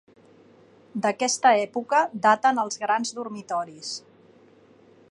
D'aquesta època daten els grans dormitoris.